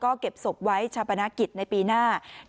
ตอนนี้ก็เพิ่งที่จะสูญเสียคุณย่าไปไม่นาน